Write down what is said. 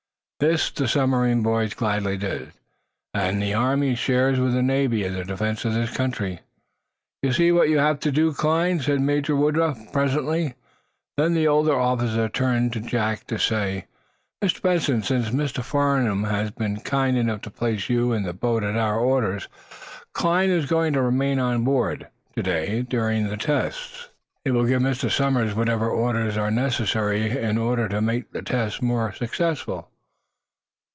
This the submarine boys gladly did, as the Army shares with the Navy in the defense of the country. "You see what you have to do, Kline," said Major Woodruff, presently. Then the older officer turned to Jack to say: "Mr. Benson, since Mr. Farnum has been kind enough to place you and the boat at our orders, Kline is going to remain on board, today, during the tests. He will give Mr. Somers whatever orders are necessary in order to make the tests most successful."